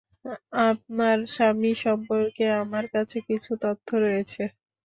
আপনার স্বামী সম্পর্কে আমার কাছে কিছু তথ্য রয়েছে।